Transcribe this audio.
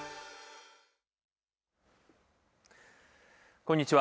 こんにちは。